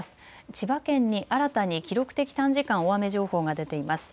千葉県に新たに記録的短時間大雨情報が出ています。